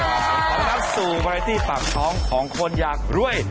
สามารถสู่พอร์ไลที่ปากท้องของคนอยากรวย